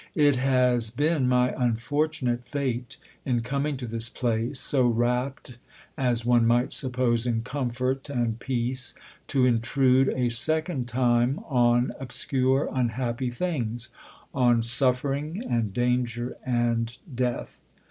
" It has been my unfortunate fate in coming to this place so wrapped, as one might suppose, in comfort and peace to intrude a second time on obscure, unhappy 294 THE OTHER HOUSE things, on suffering and danger and death.